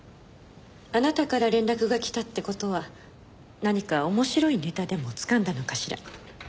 あなたから連絡がきたって事は何か面白いネタでもつかんだのかしら？